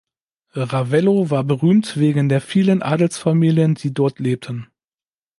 Ravello war berühmt wegen der vielen Adelsfamilien, die dort lebten.